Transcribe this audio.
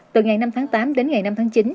từ ngày năm tháng tám đến ngày năm tháng chín